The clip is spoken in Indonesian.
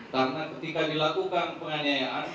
karena ketika dilakukan penganiayaan